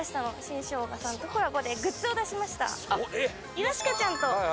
イワシカちゃんと。